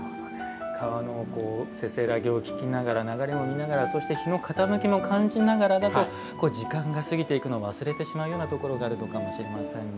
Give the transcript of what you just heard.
川のせせらぎを聞きながら流れも見ながら日の傾きも感じながらだと時間が過ぎていくのを忘れてしまうようなところがあるのかもしれませんね。